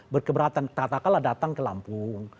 berkeberatan katakanlah datang ke lampung